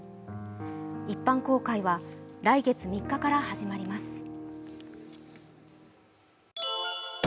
一般公開は来月３日から始まります。